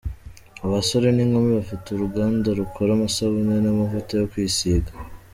Abasore n’ inkumi bafite uruganda rukora amasbune n’ amavuta yo kwisiga.